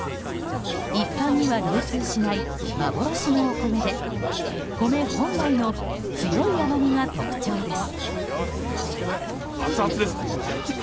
一般には流通しない幻のお米で米本来の強い甘みが特徴です。